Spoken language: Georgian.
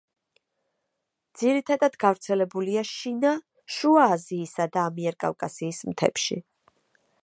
ძირითადად გავრცელებულია შინა, შუა აზიისა და ამიერკავკასიის მთებში.